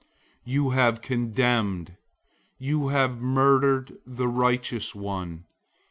005:006 You have condemned, you have murdered the righteous one.